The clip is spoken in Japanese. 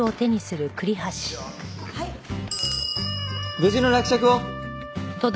無事の落着を。